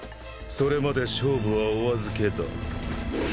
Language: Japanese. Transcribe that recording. それまで勝負はお預けだ。